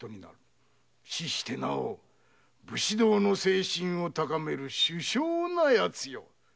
死してなお武士道の精神を高める殊勝なやつよ。